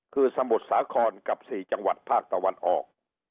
คือสมุทรสาครกับ๔จังหวัดภาคตะวันออก